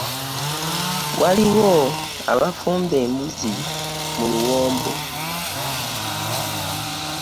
Waliwo abafumba embuzzi mu luwombo.